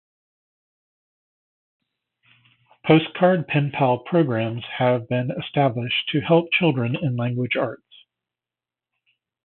Postcard Penpal programs have been established to help children in language arts.